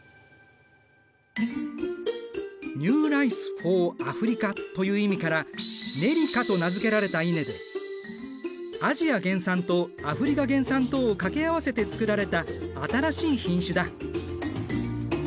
ＮｅｗＲｉｃｅｆｏｒＡｆｒｉｃａという意味からネリカと名付けられた稲でアジア原産とアフリカ原産とを掛け合わせて作られた新しい品種だ。